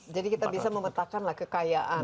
jadi kita bisa memetakkanlah kekayaan